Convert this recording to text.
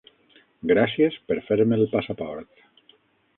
Gràcies per fer-me el passaport.